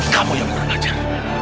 kamu yang kurang ajar